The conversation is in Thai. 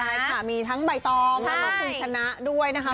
ใช่ค่ะมีทั้งใบตองแล้วก็คุณชนะด้วยนะคะ